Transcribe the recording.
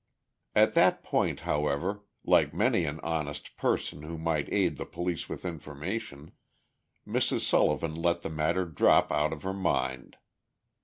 At that point, however, like many an honest person who might aid the police with information, Mrs. Sullivan let the matter drop out of her mind.